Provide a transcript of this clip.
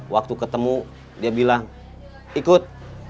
waktu ketemu dia bilang ikut